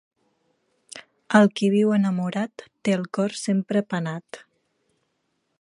El qui viu enamorat té el cor sempre penat.